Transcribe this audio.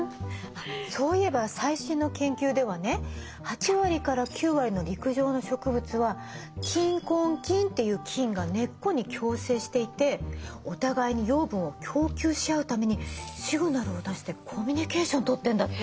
そういえば最新の研究ではね８割から９割の陸上の植物は菌根菌っていう菌が根っこに共生していてお互いに養分を供給し合うためにシグナルを出してコミュニケーションをとってんだって！